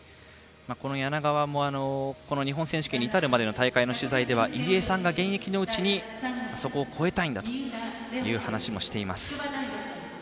柳川も日本選手権に至るまでの大会の取材では入江さんが現役のうちにそこを超えたいんだという話もしています。